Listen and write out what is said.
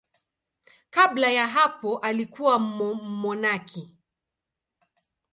Kabla ya hapo alikuwa mmonaki.